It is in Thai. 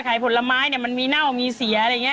ขายผลไม้มันมีเน่ามีเสียอะไรอย่างนี้